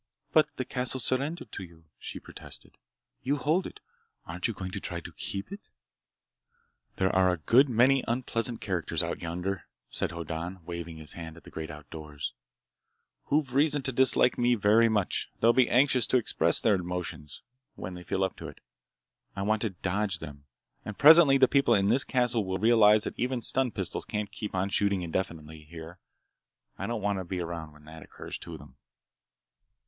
"But the castle's surrendered to you," she protested. "You hold it! Aren't you going to try to keep it?" "There are a good many unpleasant characters out yonder," said Hoddan, waving his hand at the great outdoors, "who've reason to dislike me very much. They'll be anxious to express their emotions, when they feel up to it. I want to dodge them. And presently the people in this castle will realize that even stun pistols can't keep on shooting indefinitely here. I don't want to be around when it occurs to them."